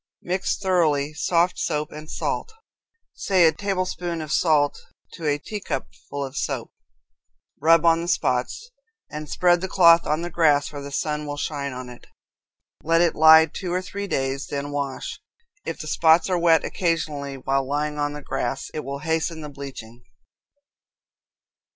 Mix thoroughly soft soap and salt say a tablespoonful of salt to a teacupful of soap, rub on the spots, and spread the cloth on the grass where the sun will shine on it. Let it lie two or three days, then wash. If the spots are wet occasionally while lying on the grass, it will hasten the bleaching.